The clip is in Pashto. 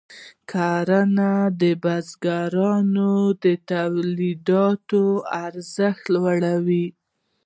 کرنه د بزګرانو د تولیداتو ارزښت لوړوي.